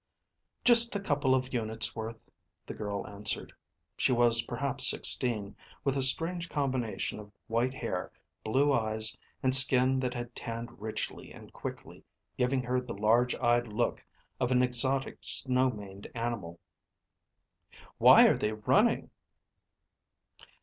"Just a couple of units worth," the girl answered. She was perhaps sixteen, with a strange combination of white hair, blue eyes, and skin that had tanned richly and quickly, giving her the large eyed look of an exotic snow maned animal. "Why are they running?"